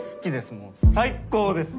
もう最高です。